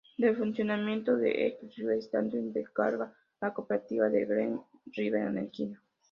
Del funcionamiento de Elk River Station se encarga la cooperativa de Great River Energy.